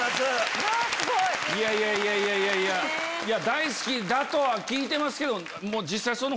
大好きだとは聞いてますけど。